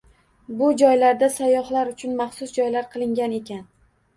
Bu joylarda sayyohlar uchun maxsus joylar qilingan ekan